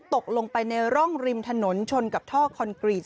ตกลงไปในร่องริมถนนชนกับท่อคอนกรีต